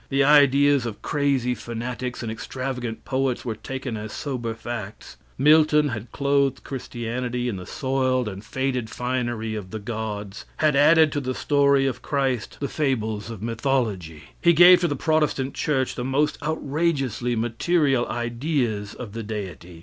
The ideas of crazy fanatics and extravagant poets were taken as sober facts. Milton had clothed Christianity in the soiled and faded finery of the gods had added to the story of Christ the fables of mythology. He gave to the Protestant church the most outrageously material ideas of the Deity.